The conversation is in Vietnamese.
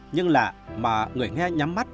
nhưng lạ mà người nghe nhắm mắt